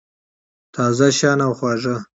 تازه شیان او خواږه